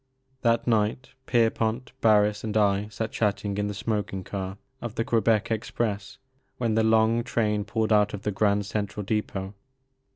That night, Pierpont, Barris, and I sat chatting in the smoking car of the Quebec Express when the long train pulled out of the Grand Central Depot.